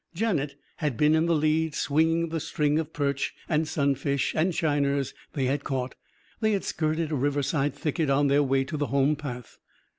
Janet had been in the lead; swinging the string of perch and sunfish and shiners they had caught. They had skirted a riverside thicket on their way to the home path.